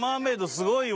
すごいわ。